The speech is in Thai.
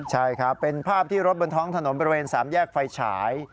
ใช่ครับเป็นภาพที่รถบนท้องถนนบริเวณสามแยกไฟฉาย